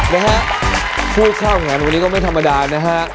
นะฮะพูดข้ากันให้มันวันนี้ก็ไม่ธรรมดานะฮะ